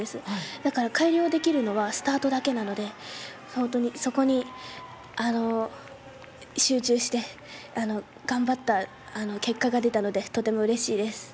だから改良できるのは、スタートだけなので、本当にそこに集中して、頑張った結果が出たので、とてもうれしいです。